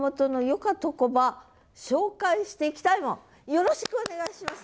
よろしくお願いします。